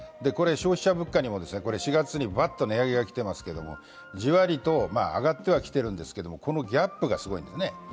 消費者物価にも４月にバッと値上げがきてますけどじわりと上がってはきているんですけど、このギャップがすごいてんですね。